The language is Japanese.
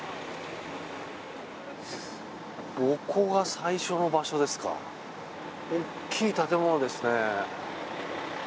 ここが最初の場所ですか大きい建物ですね。